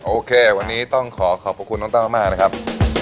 โอเควันนี้ต้องขอขอบคุณน้องแต้วมากนะครับ